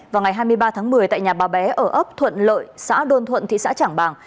vào ngày hai mươi ba tháng một mươi tại nhà bà bé ở ấp thuận lợi xã đôn thuận thị xã trảng bàng